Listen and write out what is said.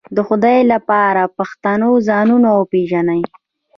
د خدای د پاره پښتنو ځانونه وپېژنئ